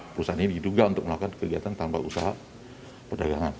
perusahaan ini diduga untuk melakukan kegiatan tanpa usaha perdagangan